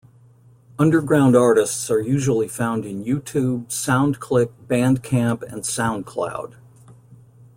Underground artists are usually found in YouTube, SoundClick, Bandcamp and SoundCloud.